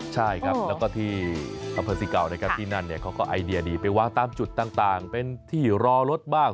ใช่ครับแล้วก็ที่อำเภอสิเก่านะครับที่นั่นเขาก็ไอเดียดีไปวางตามจุดต่างเป็นที่รอรถบ้าง